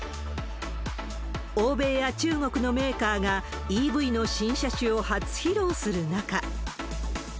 欧米や中国のメーカーがＥＶの新車種を初披露する中。